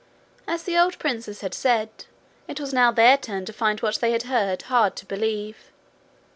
As the old princess had said, it was now their turn to find what they heard hard to believe.